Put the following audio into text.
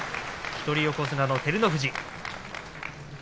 一人横綱の照ノ富士。